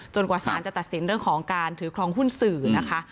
กว่าสารจะตัดสินเรื่องของการถือครองหุ้นสื่อนะคะ